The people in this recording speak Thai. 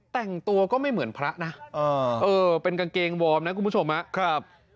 แต่งตัวก็ไม่เหมือนพระนะเออเป็นกางเกงวอร์มนะคุณผู้ชมครับ